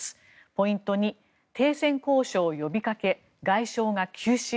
ポイント２停戦交渉呼びかけ、外相が急死。